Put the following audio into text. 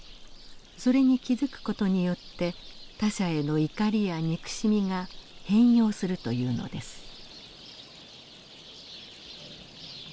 それに気づく事によって他者への怒りや憎しみが変容するというのです。